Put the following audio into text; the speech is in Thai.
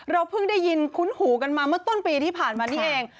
เพิ่งได้ยินคุ้นหูกันมาเมื่อต้นปีที่ผ่านมานี่เอง